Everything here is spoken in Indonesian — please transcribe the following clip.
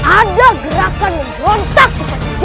ada gerakan yang rontak